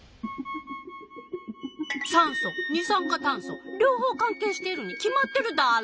酸素二酸化炭素両方関係しているに決まってるダーロ！